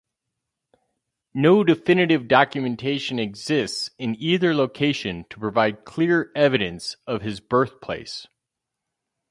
No definitive documentation exists in either location to provide clear evidence of his birthplace.